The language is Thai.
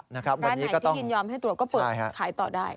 ร้านไหนที่ยินยอมให้ตรวจก็เปิดขายต่อได้